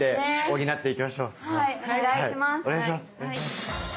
はいお願いします。